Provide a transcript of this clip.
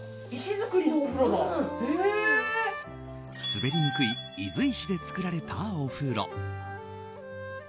滑りにくい伊豆石で造られたお風呂。